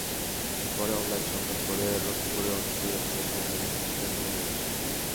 পরে অনলাইনে সংবাদ পড়ে লক্ষ্মীপুরের অনেকেই আশেপাশের এলাকা থেকে পত্রিকা কিনে নিয়ে আসেন।